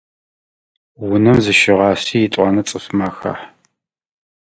Унэм зыщыгъасе етӏуанэ цӏыфмэ ахахь.